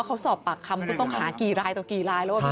ถ้าตอบปากคำก็ต้องหากี่ลายต่อกี่ลายแล้วครับ